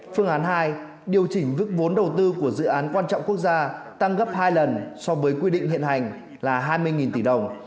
phương án hai điều chỉnh mức vốn đầu tư của dự án quan trọng quốc gia tăng gấp hai lần so với quy định hiện hành là hai mươi tỷ đồng